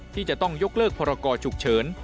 ที่จะต้องยกเลิกพรกรฉุกเฉิน